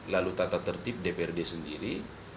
lalu tata tertib dprd sendiri